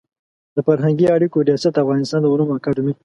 د فرهنګي اړیکو ریاست د افغانستان د علومو اکاډمي